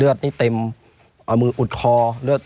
ไม่มีครับไม่มีครับ